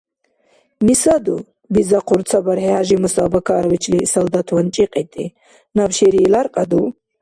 — Мисаду, — бизахъур ца бархӀи ХӀяжимуса Абакаровичли, солдатван чӀикьитӀи, — наб шери ляркьяду?